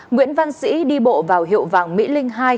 nguyễn văn sĩ đi bộ vào hiệu vàng mỹ linh hai